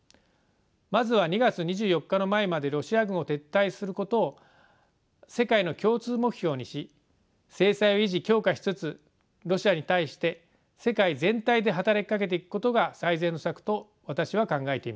まずは２月２４日の前までロシア軍を撤退することを世界の共通目標にし制裁を維持強化しつつロシアに対して世界全体で働きかけていくことが最善の策と私は考えています。